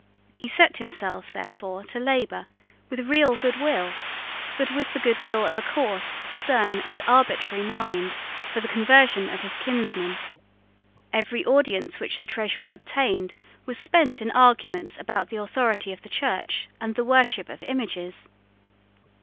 He set himself, therefore, to labour, with real good will, but with the good will of a coarse, stern, and arbitrary mind, for the conversion of his kinsman. Every audience which the Treasurer obtained was spent in arguments about the authority of the Church and the worship of images.